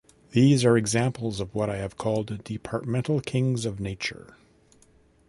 These are examples of what I have called departmental kings of nature.